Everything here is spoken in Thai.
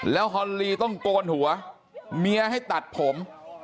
แล้วฮอนลีต้องโกนหัวเมียให้ตัดผม